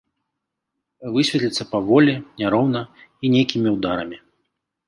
Высвятляцца паволі, няроўна і нейкімі ўдарамі.